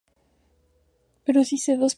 Prefiere las hierbas y frutas.